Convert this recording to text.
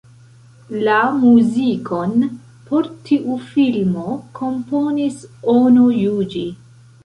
La muzikon por tiu filmo komponis Ono Juĝi.